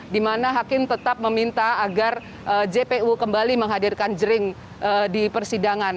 di mana hakim tetap meminta agar jpu kembali menghadirkan jering di persidangan